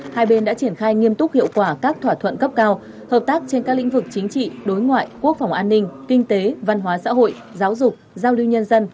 hai bên đã triển khai nghiêm túc hiệu quả các thỏa thuận cấp cao hợp tác trên các lĩnh vực chính trị đối ngoại quốc phòng an ninh kinh tế văn hóa xã hội giáo dục giao lưu nhân dân